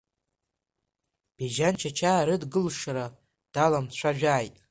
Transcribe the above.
Бежьан Чачаа рыдгьылшара даламцәажәааит!